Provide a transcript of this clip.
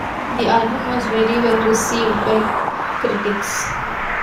The album was very well received by critics.